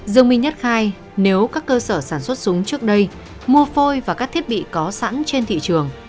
dương minh nhất khai nếu các cơ sở sản xuất súng trước đây mua phôi và các thiết bị có sẵn trên thị trường